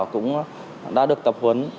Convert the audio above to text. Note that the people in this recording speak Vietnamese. cũng đã được tập huấn